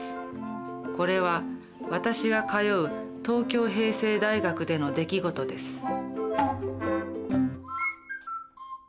これは私が通う東京平成大学での出来事です。